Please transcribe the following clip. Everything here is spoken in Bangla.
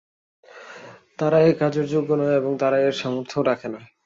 তারা এ কাজের যোগ্য নয় এবং তারা এর সামর্থ্যও রাখে না।